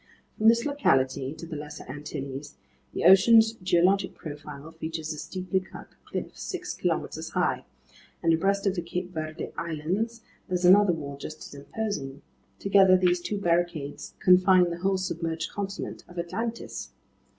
From this locality to the Lesser Antilles, the ocean's geologic profile features a steeply cut cliff six kilometers high, and abreast of the Cape Verde Islands, there's another wall just as imposing; together these two barricades confine the whole submerged continent of Atlantis.